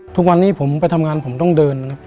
ทุกวันนี้ผมไปทำงานผมต้องเดินนะครับ